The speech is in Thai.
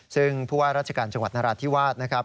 ซึ่งผู้ว่าราชการจังหวัดนราธิวาสนะครับ